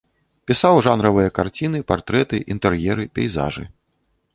Пісаў жанравыя карціны, партрэты, інтэр'еры, пейзажы.